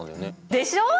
でしょう？